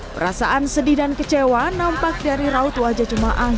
perasaan sedih dan kecewa nampak dari raut wajah jemaah